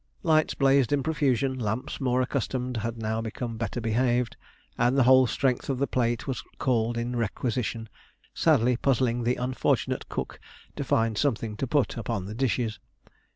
Lights blazed in profusion; lamps more accustomed had now become better behaved; and the whole strength of the plate was called in requisition, sadly puzzling the unfortunate cook to find something to put upon the dishes.